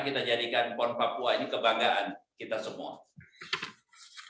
kita jadikan pon papua ini kebanggaan kita semua